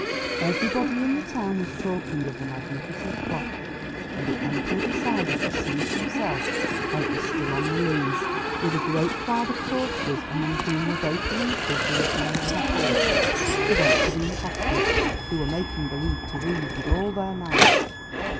Everybody in the town was talking of the magnificent cloth, and the Emperor decided to see it himself while it was still on the loom. With a great crowd of courtiers, among whom were both the ministers who had been there before, he went to the impostors, who were making believe to weave with all their might.